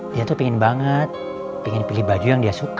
dia tuh pengen banget pengen pilih baju yang dia suka